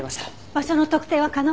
場所の特定は可能？